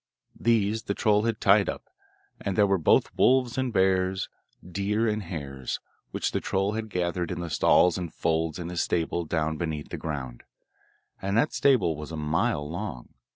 These the troll had tied up, and there were both wolves and bears, deer and hares, which the troll had gathered in the stalls and folds in his stable down beneath the ground, and that stable was a mile long.